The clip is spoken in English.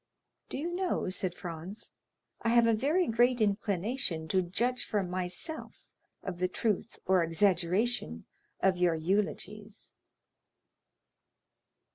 "Do you know," said Franz, "I have a very great inclination to judge for myself of the truth or exaggeration of your eulogies."